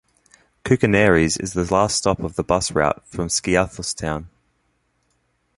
Koukounaries is the last stop of the bus route from Skiathos Town.